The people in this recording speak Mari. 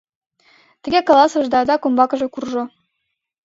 Тыге каласыш да адак умбаке куржо.